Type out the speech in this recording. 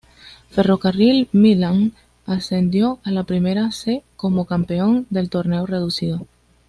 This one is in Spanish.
Ferrocarril Midland ascendió a la Primera C como campeón del Torneo Reducido.